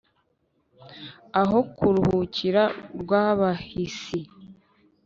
Aho kuruhukira kw'abahisi